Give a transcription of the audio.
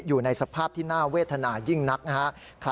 อยู่ในสภาพที่น่าเวทนายิ่งนักนะครับ